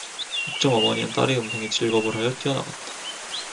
옥점 어머니는 딸의 음성에 질겁을 하여 뛰어나갔다.